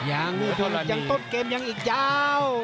ยังต้มเกมยังอีกยาว